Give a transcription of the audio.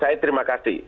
saya terima kasih